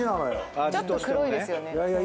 ちょっと黒いですよね。